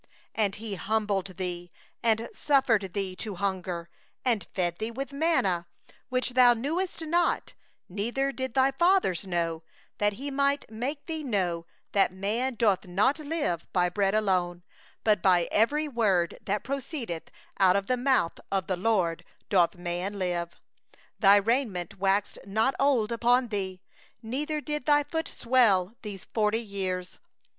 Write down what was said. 3And He afflicted thee, and suffered thee to hunger, and fed thee with manna, which thou knewest not, neither did thy fathers know; that He might make thee know that man doth not live by bread only, but by every thing that proceedeth out of the mouth of the LORD doth man live. 4Thy raiment waxed not old upon thee, neither did thy foot swell, these forty years.